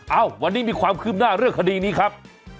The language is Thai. เอ้าวันนี้มีความคืบหน้าเรื่องคดีนี้ครับ